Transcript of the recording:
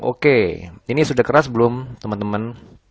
oke ini sudah keras belum teman teman